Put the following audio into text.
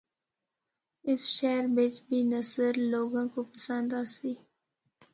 اس شہر بچ بھی نثر لوگاں کو پسند آسی۔